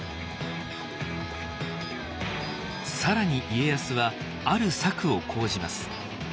更に家康はある策を講じます。